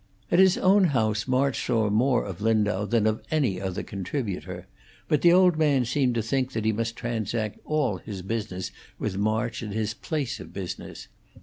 At his own house March saw more of Lindau than of any other contributor, but the old man seemed to think that he must transact all his business with March at his place of business.